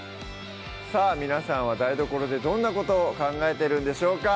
さぁ皆さんは台所でどんなことを考えてるんでしょうか？